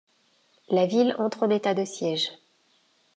La ville entre en état de siège.